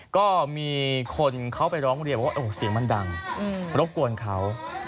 ก็มีคนเขาไปร้องเรียนว่าเสียงมันดังรบกวนเขา